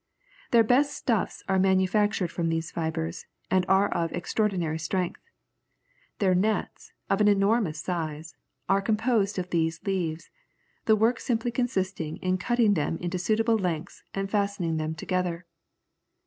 Their best stuffs are manufactured from these fibres, and are of extraordinary strength. Their nets, of an enormous size, are composed of these leaves, the work simply consists in cutting them into suitable lengths and fastening them together."